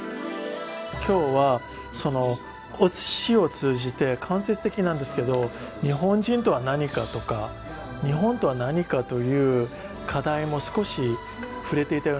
今日はそのお鮨を通じて間接的なんですけど日本人とは何かとか日本とは何かという課題も少し触れていたような気がします。